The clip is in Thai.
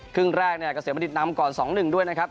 ครึ่งแรกเนี่ยเกษมณิตนำก่อน๒๑ด้วยนะครับ